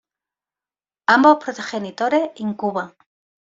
Ambos progenitores incuban.